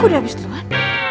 kok udah habis duluan